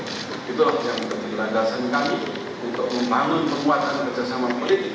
kita juga ingin mengejar ngejar negara negara ini itulah yang menjadi langkah kami untuk membangun kekuatan kerjasama politik